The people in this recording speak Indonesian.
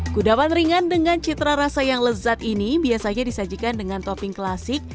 kudapan ringan dengan citra rasa yang lezat ini biasanya disajikan dengan topping klasik